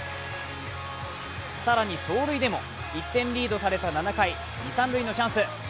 更に走塁でも１点リードされた７回、二・三塁のチャンス。